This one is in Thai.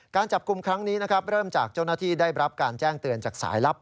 การจับกลุ่มครั้งนี้นะครับเริ่มจากเจ้าหน้าที่ได้รับการแจ้งเตือนจากสายลับ